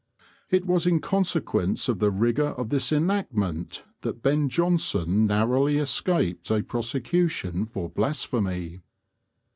It was in consequence of the rigour of this enactment that Ben Jonson narrowly escaped a prosecution for blasphemy.